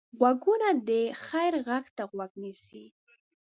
غوږونه د خیر غږ ته غوږ نیسي